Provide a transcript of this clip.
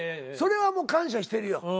それはもう感謝してるよ。